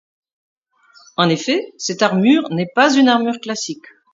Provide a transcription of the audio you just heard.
En effet, cette armure n'est pas une armure classique.